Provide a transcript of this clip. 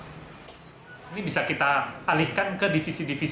ini bisa kita alihkan ke divisi divisi